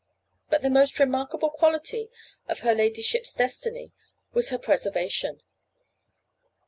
But the most remarkable quality of her ladyship's destiny was her preservation.